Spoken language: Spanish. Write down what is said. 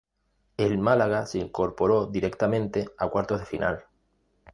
El Málaga se incorporó directamente a cuartos de final.